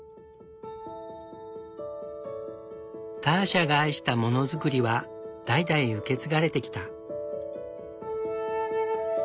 ターシャが愛したものづくりは代々受け継がれてきた。